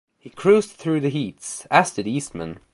He cruised through the heats, as did Eastman.